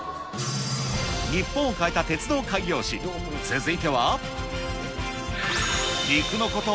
日本を変えた鉄道開業史、続いては。